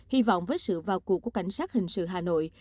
hy vọng với sự vào cuộc của cảnh sát hình sự hà nội